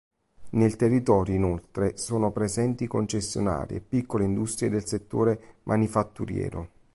Nel territorio inoltre sono presenti concessionarie e piccole industrie del settore manifatturiero.